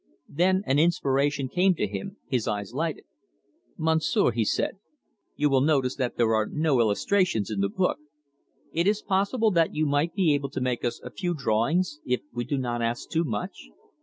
Then an inspiration came to him; his eyes lighted. "Monsieur," he said, "you will notice that there are no illustrations in the book. It is possible that you might be able to make us a few drawings if we do not ask too much?